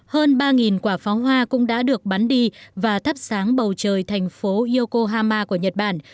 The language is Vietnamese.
hơn ba quả pháo hoa cũng đã được bắn đi và thắp sáng bầu trời thành phố yokohama của nhật bản